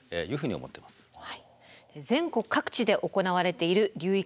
全国各地で行われている流域治水。